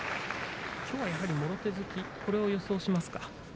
きょうは、やはりもろ手突きを予想しますか？